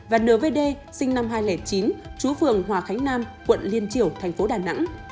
và nvd sinh năm hai nghìn chín chú phường hòa khánh nam quận liên triểu thành phố đà nẵng